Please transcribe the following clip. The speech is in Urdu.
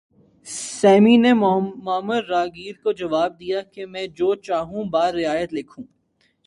سیمی نے معمر راہگیر کو جواب دیا کہ میں جو چاہوں بہ رعایت لکھوں